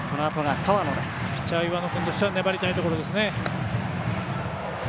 ピッチャー、岩野君としては粘りたいところですね。